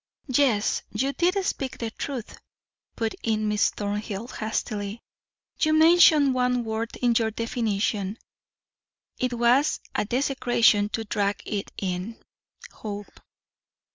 "Yes, you did speak the truth," put in Miss Thornhill hastily. "You mentioned one word in your definition it was a desecration to drag it in hope.